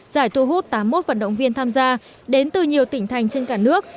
giải thu hút tám mươi một vận động viên tham gia đến từ nhiều tỉnh thành trên cả nước